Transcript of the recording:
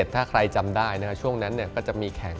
ถ้าใครจำได้ช่วงนั้นก็จะมีแข่ง